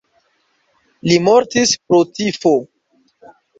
Li mortis pro tifo.